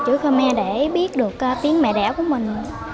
con muốn học được chữ khmer để biết được tiếng mẹ đẻ của mình